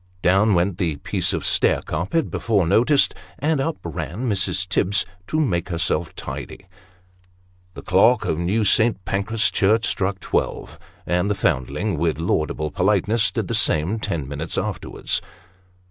Down went the piece of stair carpet before noticed, and up ran Mrs. Tibbs " to make herself tidy." The clock of New Saint Pancras Church struck twelve, and the Mrs. Bloss. 219 Foundling, with laudable politeness, did the same ten minutes after wards.